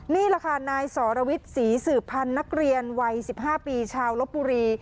นี่แหละค่ะนายสรวิทย์ศรีสืบพันธ์นักเรียนวัย๑๕ปีชาวลบบุรี